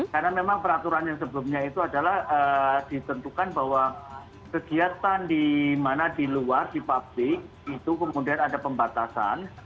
karena memang peraturan yang sebelumnya itu adalah ditentukan bahwa kegiatan di mana di luar di publik itu kemudian ada pembatasan